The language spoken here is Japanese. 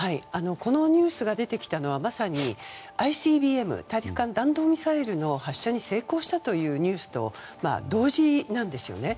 このニュースが出てきたのはまさにＩＣＢＭ・大陸間弾道ミサイルの発射に成功したというニュースと同時なんですよね。